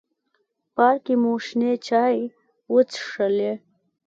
پارک کې مو شنې چای وڅښلې.